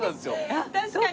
確かに！